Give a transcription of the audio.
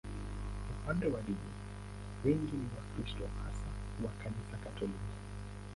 Upande wa dini, wengi ni Wakristo, hasa wa Kanisa Katoliki.